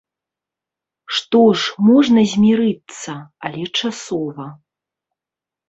Што ж, можна змірыцца, але часова.